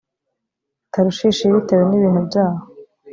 tarushishi bitewe n ibintu byaho